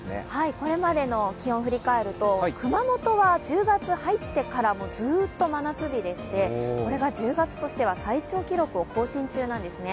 これまでの気温を振り返ると熊本は１０月、入ってからもずっと真夏日でしてこれが１０月としては最長記録を更新中なんですね。